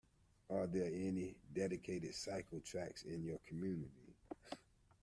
Are there any dedicated cycle tracks in your community?